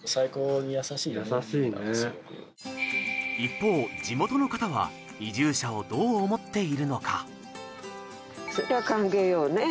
一方地元の方は移住者をどう思っているのか？